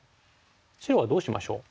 白はどうしましょう。